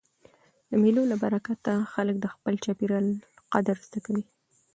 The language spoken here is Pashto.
د مېلو له برکته خلک د خپل چاپېریال قدر زده کوي.